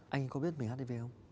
anh có biết mình hát đi vê không